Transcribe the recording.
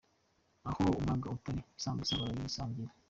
Aho umwaga utari isambusa barayisangira.